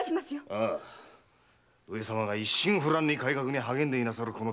上様が一心不乱に改革に励んでいなさる